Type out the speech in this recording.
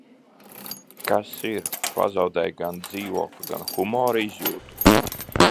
Kas ir, pazaudēji gan dzīvokli, gan humora izjūtu?